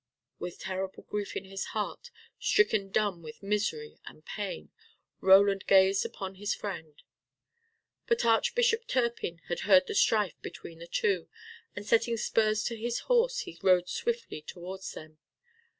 With terrible grief in his heart, stricken dumb with misery and pain, Roland gazed upon his friend. But Archbishop Turpin had heard the strife between the two, and setting spurs to his horse he rode swiftly towards them.